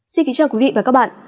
xin kính chào quý vị và các bạn